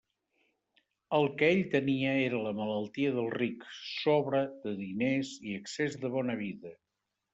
El que ell tenia era la malaltia del ric: sobra de diners i excés de bona vida.